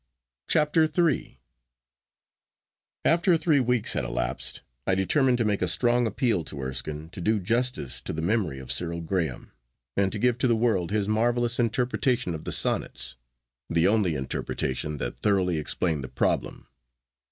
CHAPTER III AFTER three weeks had elapsed, I determined to make a strong appeal to Erskine to do justice to the memory of Cyril Graham, and to give to the world his marvellous interpretation of the Sonnets—the only interpretation that thoroughly explained the problem.